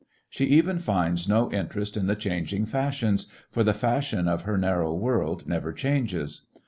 She even finds no interest in the changing fashions, for the fashion of her narrow world never changes.